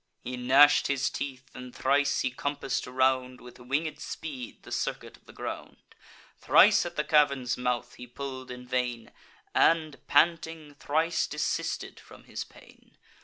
He gnash'd his teeth; and thrice he compass'd round With winged speed the circuit of the ground. Thrice at the cavern's mouth he pull'd in vain, And, panting, thrice desisted from his pain.